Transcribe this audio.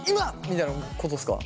みたいなことですか？